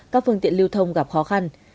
các phương tiện lưu thông gặp khó khăn